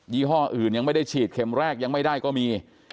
ี่ห้ออื่นยังไม่ได้ฉีดเข็มแรกยังไม่ได้ก็มี